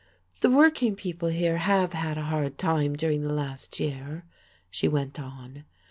"The working people here have had a hard time during the last year," she went on.